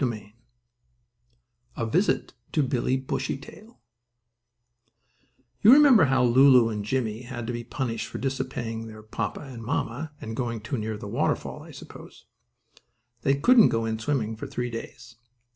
STORY V A VISIT TO BILLIE BUSHTAIL You remember how Lulu and Jimmie had to be punished for disobeying their papa and mamma, and going too near the waterfall, I suppose? They couldn't go in swimming for three days.